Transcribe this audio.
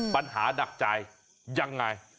ปัญหานักจ่ายยังไง